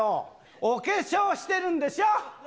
お化粧してるんでしょ。